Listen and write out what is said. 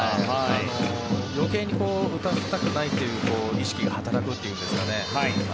余計に打たせたくないという意識が働くというんですかね